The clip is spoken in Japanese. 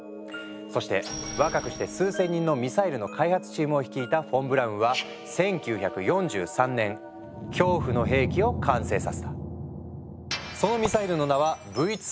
そして若くして数千人のミサイルの開発チームを率いたフォン・ブラウンは１９４３年恐怖の兵器を完成させた。